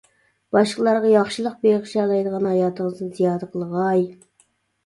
باشقىلارغا ياخشىلىق بېغىشلىيالايدىغان ھاياتىڭىزنى زىيادە قىلغاي!